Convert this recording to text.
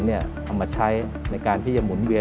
เอามาใช้ในการที่จะหมุนเวียน